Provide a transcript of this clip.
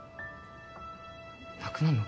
なくなんの？